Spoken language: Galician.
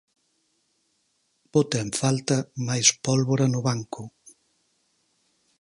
Bota en falta máis pólvora no banco.